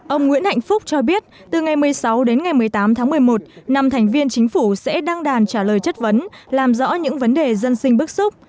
ông nguyễn hạnh phúc cho biết từ ngày một mươi sáu đến ngày một mươi tám tháng một mươi một năm thành viên chính phủ sẽ đăng đàn trả lời chất vấn làm rõ những vấn đề dân sinh bức xúc